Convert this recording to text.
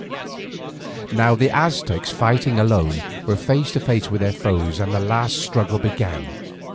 Now the Aztecs fighting alone were face to face with their foes and the last struggle began.